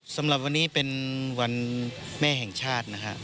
สำหรับวันนี้เป็นวันแม่แห่งชาตินะครับ